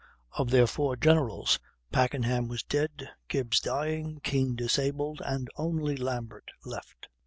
Of their four generals, Packenham was dead, Gibbs dying, Keane disabled, and only Lambert left.